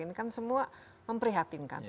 ini kan semua memprihatinkan